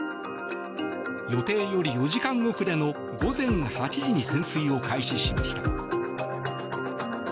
予定より４時間遅れの午前８時に潜水を開始しました。